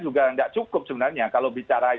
juga nggak cukup sebenarnya kalau bicara